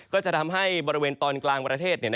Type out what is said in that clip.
ก็จะทำให้บริเวณตอนกลางประเทศ